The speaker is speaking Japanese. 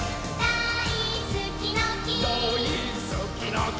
「だいすきの木」